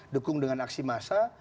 dukung dengan aksi massa